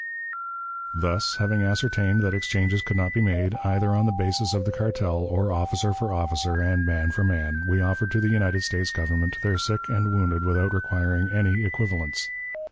Thus, having ascertained that exchanges could not be made, either on the basis of the cartel, or officer for officer and man for man, we offered to the United States Government their sick and wounded without requiring any equivalents.